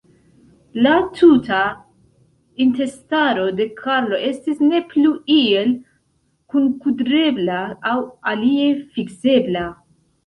La tuta intestaro de Karlo estis ne plu iel kunkudrebla aŭ alie fiksebla.